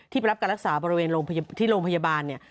ที่ไปรับการรักษาบริเวณลงที่โรงพยาบาลเนี่ย